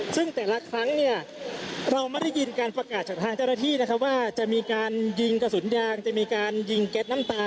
ซึ่งแต่ละครั้งเนี่ยเราไม่ได้ยินการประกาศจากทางเจ้าหน้าที่นะครับว่าจะมีการยิงกระสุนยางจะมีการยิงแก๊สน้ำตา